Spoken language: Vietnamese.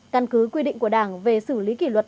căn cứ quy định của đảng về xử lý kỷ luật